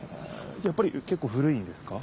やっぱりけっこう古いんですか？